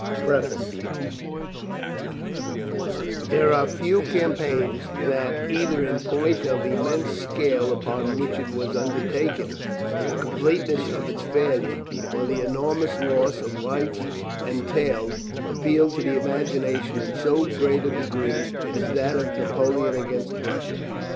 PREFACE There are few campaigns that, either in point of the immense scale upon which it was undertaken, the completeness of its failure, or the enormous loss of life entailed, appeal to the imagination in so great a degree as that of Napoleon against Russia.